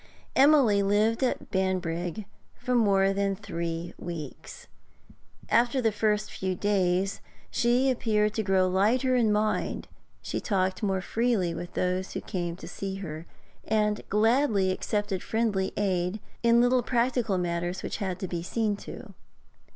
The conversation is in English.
Emily lived at Banbrigg for more than three weeks. After the first few days she appeared to grow lighter in mind; she talked more freely with those who came to see her, and gladly accepted friendly aid in little practical matters which had to be seen to.